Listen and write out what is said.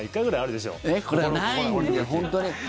本当に。